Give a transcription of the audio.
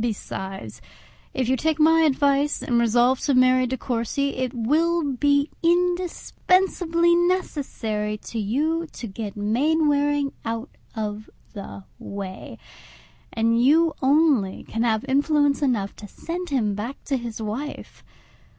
Besides, if you take my advice, and resolve to marry De Courcy, it will be indispensably necessary to you to get Mainwaring out of the way; and you only can have influence enough to send him back to his wife.